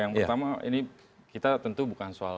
yang pertama ini kita tentu bukan soal